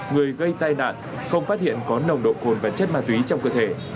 người gây tai nạn không phát hiện có nồng độ cồn và chất ma túy trong cơ thể